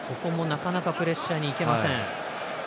なかなかプレッシャーにいけません。